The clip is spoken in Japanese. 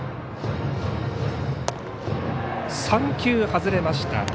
３球外れました。